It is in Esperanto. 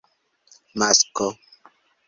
masko